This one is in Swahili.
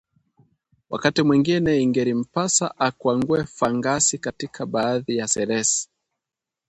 Wakati mwingine ingelimpasa akwangue fangasi katika baadhi ya selesi